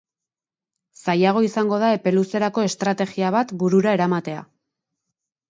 Zailago izango da epe luzerako estrategia bat burura eramatea.